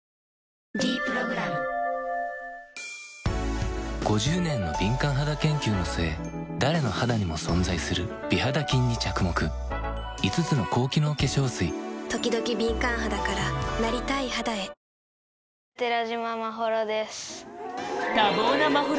「ｄプログラム」５０年の敏感肌研究の末誰の肌にも存在する美肌菌に着目５つの高機能化粧水ときどき敏感肌からなりたい肌へ寺嶋眞秀です。